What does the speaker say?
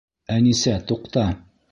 Әнисә, туҡта!